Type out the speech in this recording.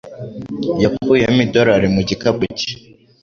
Yakuyemo idorari mu gikapu cye.